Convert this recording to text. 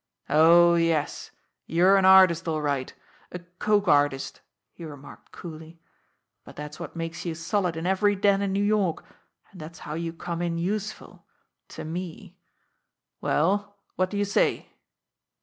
"Oh, yes; you're an artist all right a coke artist!" he remarked coolly. "But that's what makes you solid in every den in New York, and that's how you come in useful to me. Well, what do you say?"